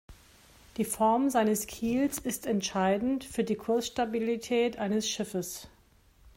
Die Form seines Kiels ist entscheidend für die Kursstabilität eines Schiffes.